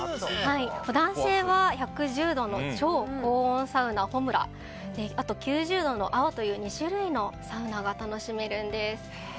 男性は１１０度の超高温サウナ「炎」あと９０度の「蒼」という２種類のサウナが楽しめるんです。